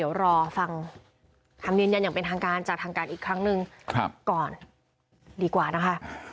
อย่างหน่วยเขาเขาแค่ได้ทรงกับพ่อแล้วครับ